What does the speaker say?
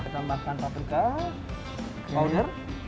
kita tambahkan paprika powder